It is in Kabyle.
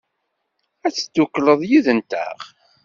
Ad teddukleḍ yid-nteɣ?